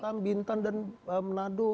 batam bintan dan manado